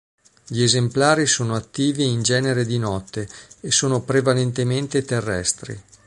Gli esemplari sono attivi in genere di notte e sono prevalentemente terrestri.